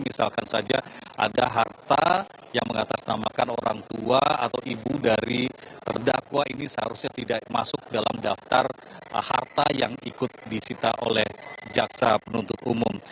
misalkan saja ada harta yang mengatasnamakan orang tua atau ibu dari terdakwa ini seharusnya tidak masuk dalam daftar harta yang ikut disita oleh jaksa penuntut umum